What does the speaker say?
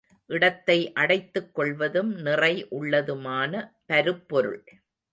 இடத்தை அடைத்துக் கொள்வதும் நிறை உள்ளதுமான பருப்பொருள்.